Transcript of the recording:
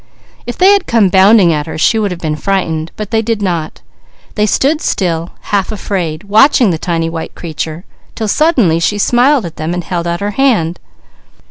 If they had come bounding at her, she would have been frightened, but they did not. They stood still, half afraid, watching the tiny white creature, till suddenly she smiled at them and held out her hand.